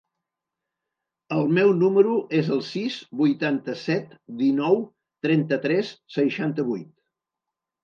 El meu número es el sis, vuitanta-set, dinou, trenta-tres, seixanta-vuit.